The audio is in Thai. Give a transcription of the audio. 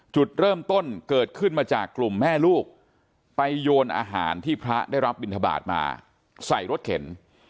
จุดเริ่มต้นเกิดขึ้นมาจากกลุ่มแม่ลูกไปโยนอาหารที่พระได้รับบินทบาทมาใส่รถเข็น